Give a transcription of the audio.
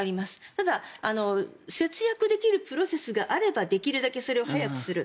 ただ節約できるプロセスがあればできるだけ早くそれをやる。